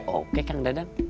oke kang dadang